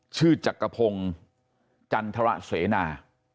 ชื่อจักรพงจันทรเสนา